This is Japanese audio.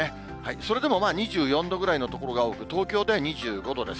それでもまあ、２４度ぐらいの所が多く、東京では２５度です。